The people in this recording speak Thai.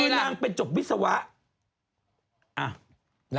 คือนางเป็นจบวิศวะ